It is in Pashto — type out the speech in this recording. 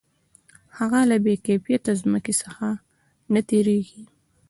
هغه له بې کفایته ځمکې څخه نه تېرېږي